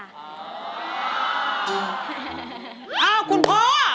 อ้าวคุณพ่อ